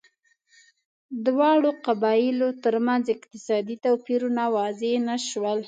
دواړو قبیلو ترمنځ اقتصادي توپیرونه واضح نه شول